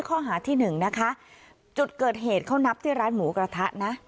ข้อหาที่หนึ่งนะคะจุดเกิดเหตุเขานับที่ร้านหมูกระทะนะ